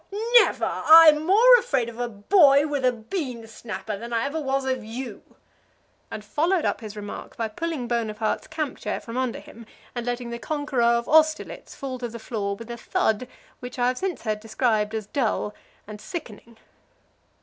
Never! I'm more afraid of a boy with a bean snapper that I ever was of you!" and followed up his remark by pulling Bonaparte's camp chair from under him, and letting the conqueror of Austerlitz fall to the floor with a thud which I have since heard described as dull and sickening.